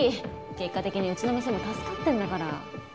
結果的にうちの店も助かってんだから。